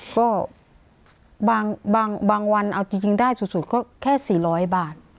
ก็บางวันเอาจริงได้สุดก็แค่๔๐๐บาท